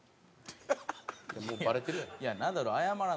もうバレてるやん。